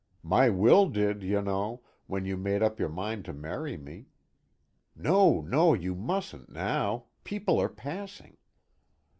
My will did, you know, when you made up your mind to marry me. No, no, you mustn't, now! people are passing."